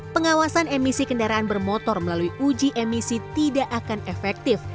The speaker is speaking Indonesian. pengawasan emisi kendaraan bermotor melalui uji emisi tidak akan efektif